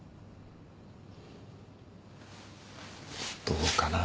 どうかな。